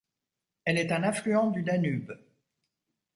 Elle est un affluent du Danube.